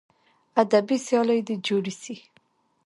ادبي سیالۍ دې جوړې سي.